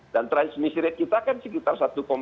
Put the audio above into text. dan transmisi rate kita kan sekitar satu dua